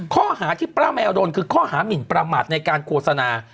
ข้อหาที่ป้าแมวโดนคือข้อหามินประมาทในการโฆษณา